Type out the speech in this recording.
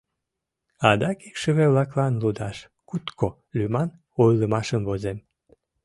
Адак икшыве-влаклан лудаш «Кутко» лӱман ойлымашым возем.